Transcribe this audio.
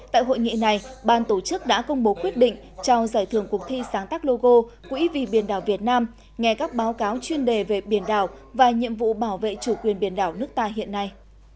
tại hội nghị này ban tổ chức đã công bố quyết định trao giải thưởng cuộc thi sáng tác logo quỹ vì biển đảo việt nam nghe các báo cáo chuyên đề về biển đảo và nhiệm vụ bảo vệ chủ quyền biển đảo nước ta hiện nay